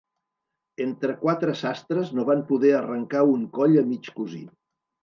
Entre quatre sastres no van poder arrencar un coll a mig cosir.